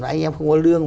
anh em không có lương